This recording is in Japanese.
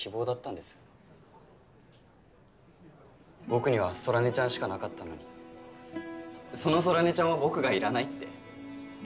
僕には空音ちゃんしかなかったのにその空音ちゃんは僕がいらないって